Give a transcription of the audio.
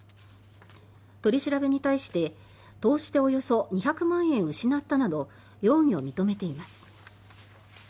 取り調べに対して、投資でおよそ２００万円失ったなど容疑を認めています。